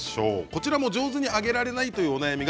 こちらも上手に揚げられないというお悩み